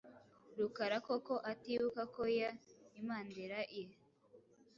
Rukara ko ko atibuka ko y impanderae.